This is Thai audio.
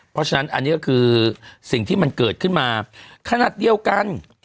เพราะฉะนั้นอันนี้ก็คือสิ่งที่มันเกิดขึ้นมาขนาดเดียวกัน